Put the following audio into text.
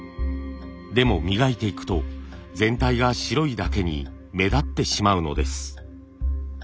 でも磨いていくと全体が白いだけに目立ってしまうのです。